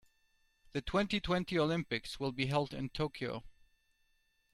The twenty-twenty Olympics will be held in Tokyo.